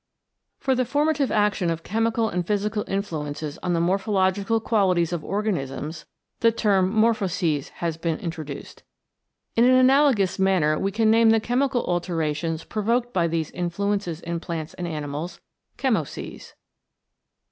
For the formative action of chemical and physical influences on the morpho logical qualities of organisms the term Morphoses has been introduced. In an analogous manner we can name the chemical alterations provoked by these influences in plants and animals Chemoses.